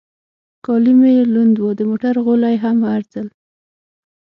کالي مې لوند و، د موټر غولی هم هر ځل.